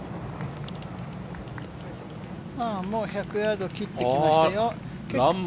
もう１００ヤード切ってきましたよ。